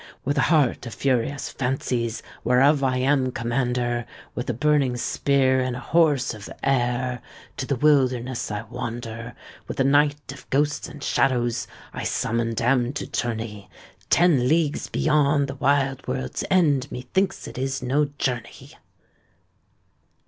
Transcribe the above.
With a heart of furious fancies, Whereof I am commander: With a burning spear, And a horse of air, To the wilderness I wander; With a knight of ghosts and shadows, I summoned am to Tourney: Ten leagues beyond The wide world's end; Methinks it is no journey!